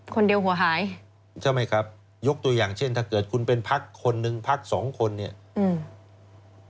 หัวหายใช่ไหมครับยกตัวอย่างเช่นถ้าเกิดคุณเป็นพักคนหนึ่งพักสองคนเนี่ยอืม